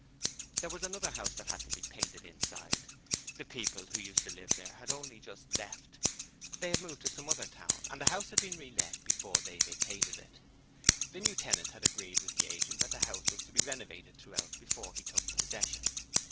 There was another house that had to be painted inside: the people who used to live there had only just left: they had moved to some other town, and the house had been re let before they vacated it. The new tenant had agreed with the agent that the house was to be renovated throughout before he took possession.